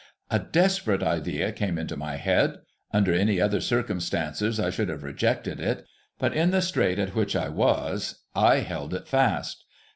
A desperate idea came into my head. Under any other circum stances I should have rejected it ; but, in the strait at which I was, I held it fast.